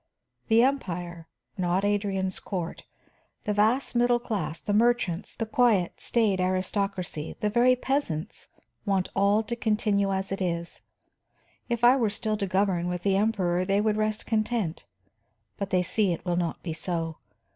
The Empire not Adrian's court the vast middle class, the merchants, the quiet, staid aristocracy, the very peasants, want all to continue as it is. If I were still to govern with the Emperor they would rest content, but they see it will not be so.